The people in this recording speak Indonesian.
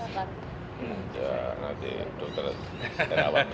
ya nanti dr terawa